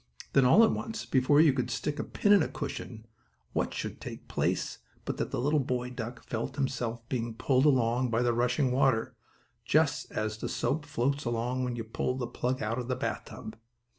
Then, all at once, before you could stick a pin in a cushion, what should take place but that the little boy duck felt himself being pulled along by the rushing water, just as the soap floats along when you pull the plug out of the bathtub.